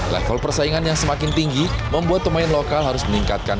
level persaingan yang semakin tinggi membuat pemain lokal harus meningkatkan